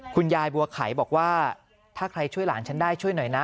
คุณยายบัวไขบอกว่าถ้าใครช่วยหลานฉันได้ช่วยหน่อยนะ